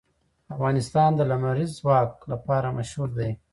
افغانستان د لمریز ځواک لپاره مشهور دی.